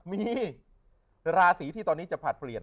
มีราศีที่ตอนนี้จะผลัดเปลี่ยน